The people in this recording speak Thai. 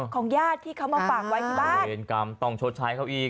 ของญาติที่เขาเอาปากไว้ที่บ้านต้องชดใช้เขาอีก